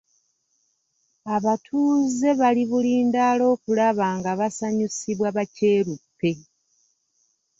Abatuuze bali bulindaala okulaba nga basanyusibwa ba kyeruppe.